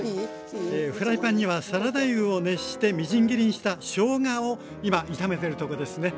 フライパンにはサラダ油を熱してみじん切りにしたしょうがを今炒めてるとこですね。